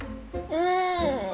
うん！